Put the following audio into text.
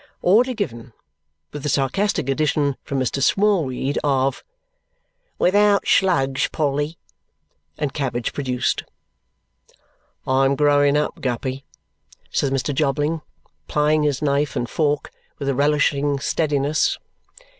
Order given; with the sarcastic addition (from Mr. Smallweed) of "Without slugs, Polly!" And cabbage produced. "I am growing up, Guppy," says Mr. Jobling, plying his knife and fork with a relishing steadiness.